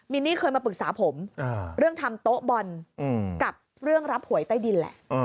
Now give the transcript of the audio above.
มีนี่เคยมาปรึกษาผมเรื่องทำโต๊ะบอลกับเรื่องรับหวยใต้ดินแหละ